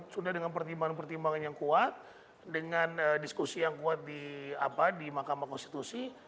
sudah dengan pertimbangan pertimbangan yang kuat dengan diskusi yang kuat di mahkamah konstitusi